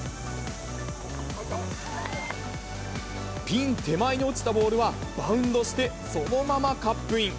ピン手前に落ちたボールはバウンドして、そのままカップイン。